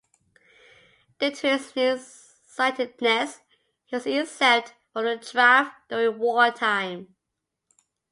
Due to his near-sightedness, he was exempt from the draft during wartime.